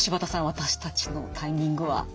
私たちのタイミングは。